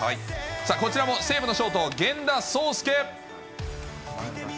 さあ、こちらも西武のショート、源田壮亮。